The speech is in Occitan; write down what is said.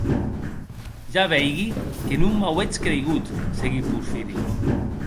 Ja veigui que non m’auetz creigut, seguic Porfiri.